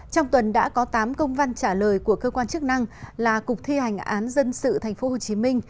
trong tuần đã có tám công văn trả lời của cơ quan chức năng là cục thi hành án dân sự tp hcm